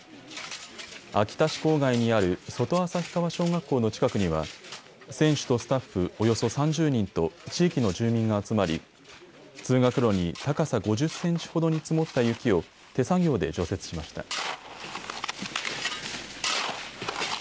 秋田市郊外にある外旭川小学校の近くには選手とスタッフおよそ３０人と地域の住民が集まり通学路に高さ５０センチほどに積もった雪を手作業で除雪しました。